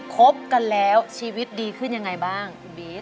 ครบกันแล้วชีวิตดีขึ้นยังไงบ้าง